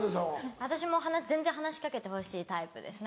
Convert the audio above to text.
私も全然話し掛けてほしいタイプです。